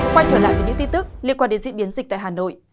quay trở lại với những tin tức liên quan đến diễn biến dịch tại hà nội